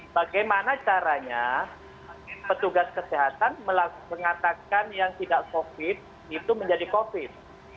bagaimana caranya petugas kesehatan mengatakan yang tidak covid itu menjadi covid